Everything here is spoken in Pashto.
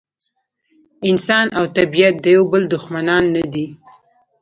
انسان او طبیعت د یو بل دښمنان نه دي.